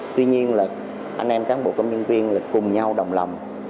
tuy nhiên là anh em cán bộ công nhân viên là cùng nhau đồng lòng